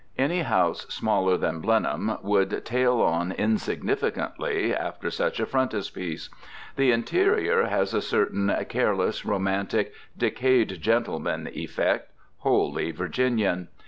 Any house smaller than Blenheim would tail on insignificantly after such a frontispiece. The interior has a certain careless, romantic, decayed gentleman effect, wholly Virginian.